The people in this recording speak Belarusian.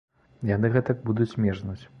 Яны гэтак будуць мерзнуць.